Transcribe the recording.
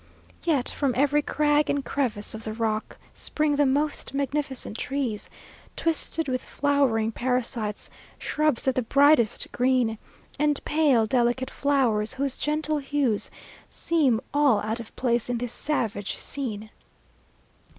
Yet from every crag and crevice of the rock spring the most magnificent trees, twisted with flowering parasites, shrubs of the brightest green, and pale delicate flowers, whose gentle hues seem all out of place in this savage scene.